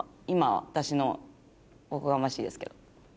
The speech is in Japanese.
今私のおこがましいですけど。